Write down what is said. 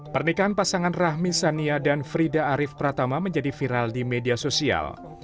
pernikahan pasangan rahmi sania dan frida arief pratama menjadi viral di media sosial